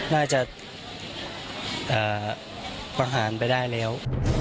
น่าจะประหารไปได้แล้ว